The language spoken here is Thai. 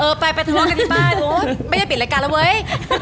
เออไปทัวร์กันที่บ้านไม่ได้ปิดรายการแล้วเว้ย